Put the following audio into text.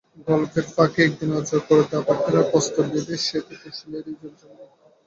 গল্পের ফাঁকে একদিন আজগর দাবা খেলার প্রস্তাব দিলে সেটা কৌশলে এড়িয়ে যান জামিলা।